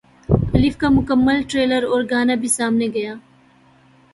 الف کا مکمل ٹریلر اور گانا بھی سامنے گیا